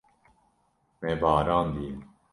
Me barandiye.